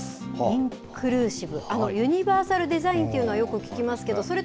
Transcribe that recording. インクルーシブ、ユニバーサルデザインというのはよく聞きま